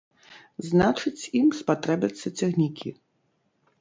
Значыць, ім спатрэбяцца цягнікі.